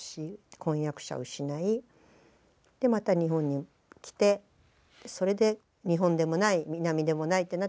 婚約者を失いまた日本に来てそれで日本でもない南でもないってなって北を信じた。